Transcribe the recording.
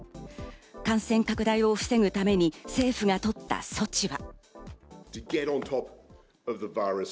感染拡大を防ぐために政府が取った措置は。